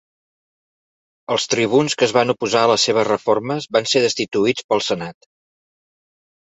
Els tribuns que es van oposar a les seves reformes van ser destituïts pel Senat.